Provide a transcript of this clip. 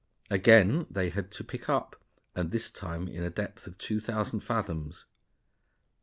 Again they had to pick up, and this time in a depth of 2,000 fathoms.